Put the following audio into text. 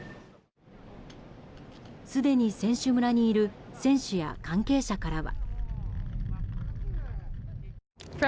すでに選手村にいる選手や関係者からは。